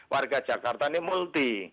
warga jakarta ini multi